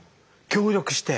協力して。